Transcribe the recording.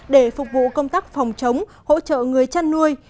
để phục vụ công tác phòng chống hỗ trợ người chăn nuôi